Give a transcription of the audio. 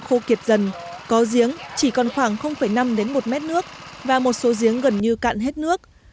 khô kiệt dần có giếng chỉ còn khoảng năm đến một mét nước và một số giếng gần như cạn hết nước